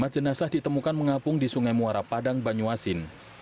lima jenazah ditemukan mengapung di sungai muara padang banyuasin